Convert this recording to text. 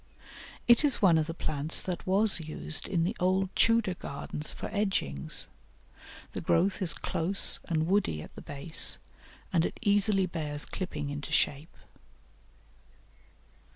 It is one of the plants that was used in the old Tudor gardens for edgings; the growth is close and woody at the base, and it easily bears clipping into shape.